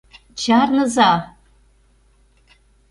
Чарныза-а!